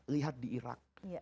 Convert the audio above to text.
lihat di irak